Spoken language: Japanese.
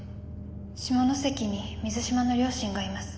下関に水嶋の両親がいます。